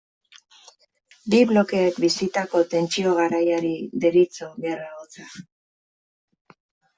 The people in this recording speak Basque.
Bi blokeek bizitako tentsio garaiari deritzo Gerra hotza.